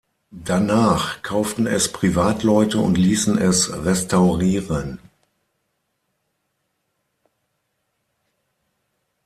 Danach kauften es Privatleute und ließen es restaurieren.